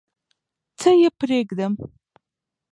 څه یې پرېږدم؟